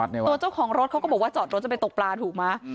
ตัวเจ้าของรถเขาก็บอกว่าจอดรถจะไปตกปลาถูกไหม